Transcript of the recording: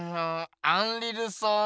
アンリ・ルソー